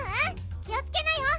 気をつけなよ。